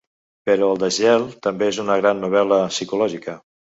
Però El desgel també és una gran novel·la psicològica.